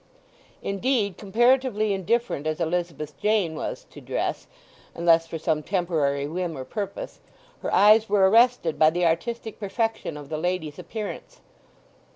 Indeed, comparatively indifferent as Elizabeth Jane was to dress, unless for some temporary whim or purpose, her eyes were arrested by the artistic perfection of the lady's appearance.